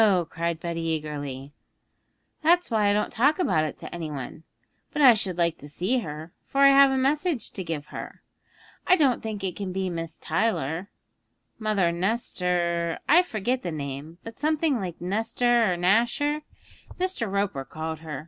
cried Betty eagerly, 'that's why I don't talk about it to any one; but I should like to see her, for I have a message to give her. I don't think it can be Miss Tyler; Mother Nestor I forget the name, but something like Nestor or Nasher Mr. Roper called her.